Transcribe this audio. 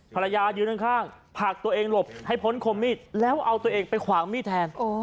ภรรยายืนข้างผลักตัวเองหลบให้พ้นคมมีดแล้วเอาตัวเองไปขวางมีดแทน